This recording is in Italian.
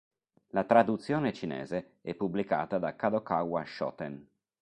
La traduzione cinese è pubblicata da Kadokawa Shoten.